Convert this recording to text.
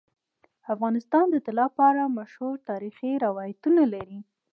افغانستان د طلا په اړه مشهور تاریخی روایتونه لري.